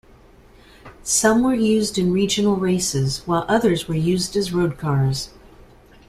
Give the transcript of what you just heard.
Some were used in regional races, while others were used as road cars.